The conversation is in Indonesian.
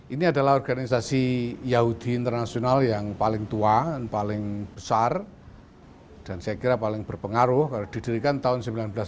ini adalah organisasi yahudi internasional yang paling tua dan paling besar dan saya kira paling berpengaruh karena didirikan tahun seribu sembilan ratus sembilan puluh